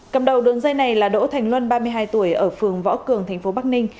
cầm đầu đường dây này là đỗ thành luân ba mươi hai tuổi ở phường võ cường thành phố bắc ninh